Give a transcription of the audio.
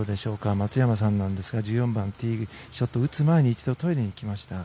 松山さんなんですが１４番ティーショットを打つ前に一度、トイレに行きました。